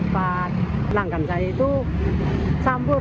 pelanggan saya itu sambur